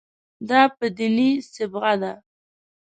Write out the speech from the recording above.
دا په دیني صبغه ده.